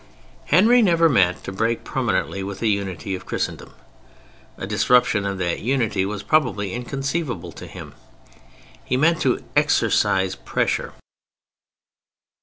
Henry never meant to break permanently with the unity of Christendom. A disruption of that unity was probably inconceivable to him. He meant to "exercise pressure."